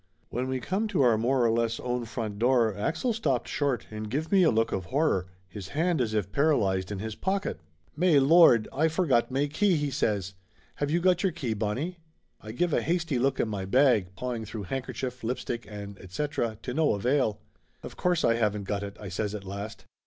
When we come to our more or less own front door Axel stopped short and give me a look of horror, his hand as if paralyzed in his pocket. "May Lord, Aye forgot may key !" he says. "Have you got your key, Bonnie?" I give a hasty look in my bag, pawing through hand kerchief, lipstick and etc. to no avail. "Of course I haven't got it !" I says at last.